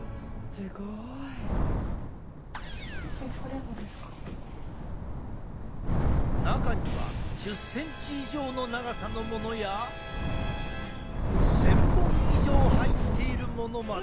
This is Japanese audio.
すごい！中には１０センチ以上の長さのものや１，０００本以上入っているものまで。